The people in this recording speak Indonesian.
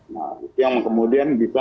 nah yang kemudian bisa